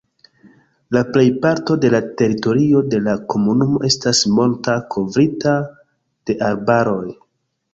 La plejparto de la teritorio de la komunumo estas monta, kovrita de arbaroj.